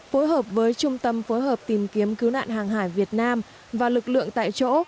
phối hợp với trung tâm phối hợp tìm kiếm cứu nạn hàng hải việt nam và lực lượng tại chỗ